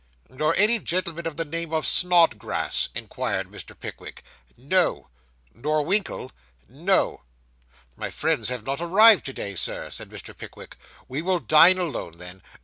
'Nor any gentleman of the name of Snodgrass?' inquired Mr. Pickwick. 'No!' 'Nor Winkle?' 'No!' 'My friends have not arrived to day, Sir,' said Mr. Pickwick. 'We will dine alone, then.